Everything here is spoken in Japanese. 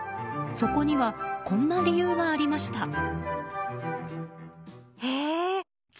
そこにはこんな理由がありました。